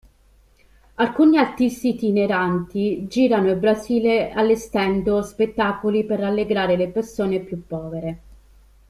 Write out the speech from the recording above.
Alcuni artisti itineranti girano il Brasile allestendo spettacoli per rallegrare le persone più povere.